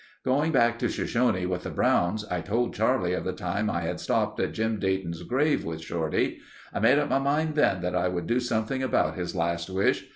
Going back to Shoshone with the Browns, I told Charlie of the time I had stopped at Jim Dayton's grave with Shorty. "I made up my mind then that I would do something about his last wish.